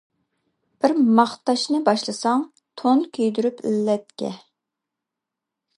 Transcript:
بىر ماختاشنى باشلىساڭ، تون كىيدۈرۈپ ئىللەتكە.